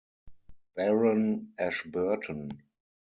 Baron Ashburton.